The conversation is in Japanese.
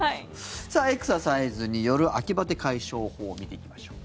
エクササイズによる秋バテ解消法見ていきましょう。